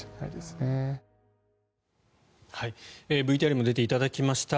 ＶＴＲにも出ていただきました